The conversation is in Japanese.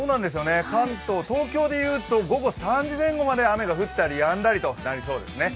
関東、東京でいうと午後３時前後まで雨が降ったりやんだりとなりそうですね。